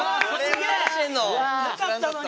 なかったのに。